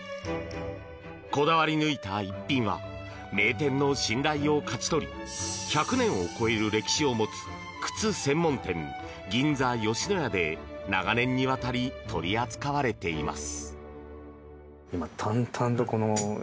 こだわり抜いた逸品は名店の信頼を勝ち取り１００年を越える歴史を持つ靴専門店・銀座ヨシノヤで長年にわたり取り扱われています。